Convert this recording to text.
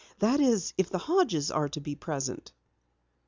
That is, if the Hodges are to be present."